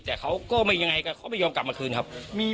แต่เขาก็ไม่ยังไงก็เขาไม่ยอมกลับมาคืนครับ